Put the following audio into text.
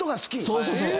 そうそうそう。